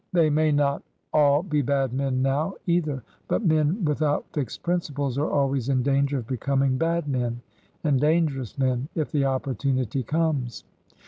They may not all be bad men now, either ; but men without fixed principles are always in danger of becoming bad men, and dangerous men, if the opportunity comes.